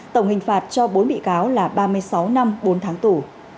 tổng hình phạt cho bốn bị cáo là ba mươi sáu năm bốn tháng tù